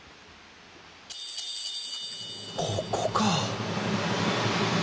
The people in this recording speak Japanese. ここかあ。